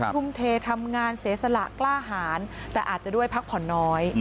ทุ่มเททำงานเสียสละกล้าหารแต่อาจจะด้วยพักผ่อนน้อย